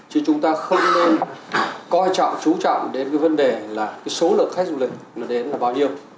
chứ chúng ta không nên coi trọng chú trọng đến cái vấn đề là cái số lượng khách du lịch nó đến là bao nhiêu